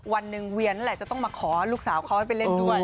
วันหนึ่งเวียนนั่นแหละจะต้องมาขอลูกสาวเขาให้ไปเล่นด้วย